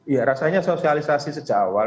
ya rasanya sosialisasi sejak awal